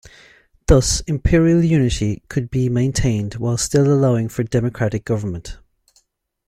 Thus, Imperial unity could be maintained while still allowing for democratic government.